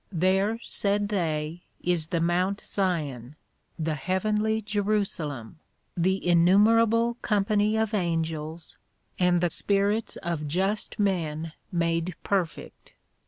There, said they, is the Mount Sion, the heavenly Jerusalem, the innumerable company of Angels, and the Spirits of just men made perfect.